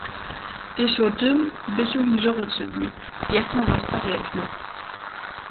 Tež wo tym běchu hižo rěčeli, wjesnjanosta rjekny.